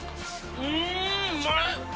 うーんうまい！